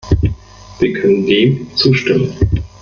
Wir können dem zustimmen.